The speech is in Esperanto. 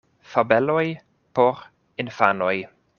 Fabeloj por infanoj.